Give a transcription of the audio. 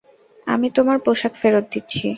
আমি তোমার পোশাক ফেরত দিচ্ছি।